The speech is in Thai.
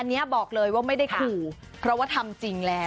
อันนี้บอกเลยว่าไม่ได้ขู่เพราะว่าทำจริงแล้ว